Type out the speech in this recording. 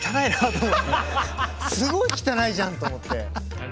すごい汚いじゃんと思って。